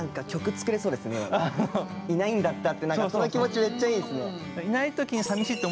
「いないんだった」ってその気持ちめっちゃいいですね。